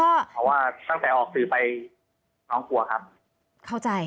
เพราะว่าตั้งแต่ออกสื่อไปน้องกลัวครับเข้าใจ